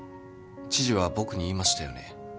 知事は僕に言いましたよね？